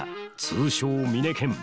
通称ミネケン。